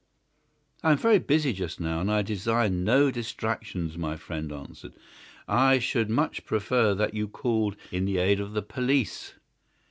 "I am very busy just now, and I desire no distractions," my friend answered. "I should much prefer that you called in the aid of the police."